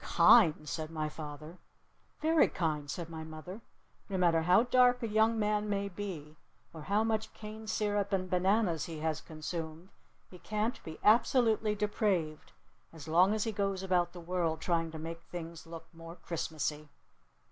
"Kind?" said my father. "Very kind," said my mother. "No matter how dark a young man may be or how much cane sirup and bananas he has consumed, he can't be absolutely depraved as long as he goes about the world trying to make things look more Christmassy!"